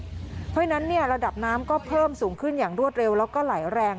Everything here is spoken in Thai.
เพราะฉะนั้นระดับน้ำก็เพิ่มสูงขึ้นอย่างรวดเร็วแล้วก็ไหลแรง